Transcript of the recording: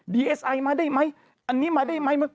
เอสไอมาได้ไหมอันนี้มาได้ไหม